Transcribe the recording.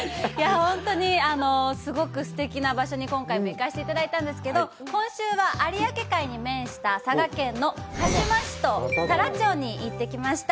本当にすごくすてきな場所に今回も行かせていただいたんですけど、今週は、有明海に面した佐賀県の鹿島市と太良町に行ってきました。